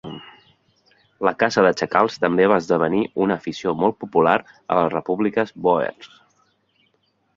La caça de xacals també va esdevenir una afició molt popular a les Repúbliques Bòers.